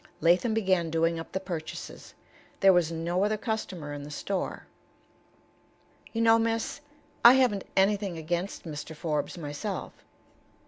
Latham began doing up the purchases. There was no other customer in the store. "You know, miss, I haven't anything against Mr. Forbes myself.